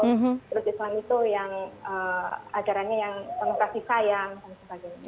terus islam itu yang ajarannya yang penguat kasih sayang